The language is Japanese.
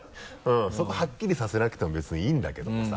そこはっきりさせなくても別にいいんだけどもさ。